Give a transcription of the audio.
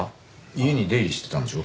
家に出入りしてたんでしょ？